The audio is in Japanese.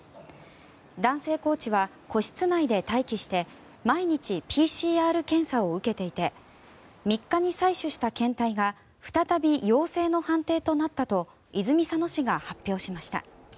男性コーチは個室内で待機して毎日ＰＣＲ検査を受けていて３日に採取した検体が再び陽性の判定となったと泉佐野市が発表しました。